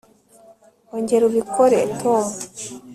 ongera ubikore, tom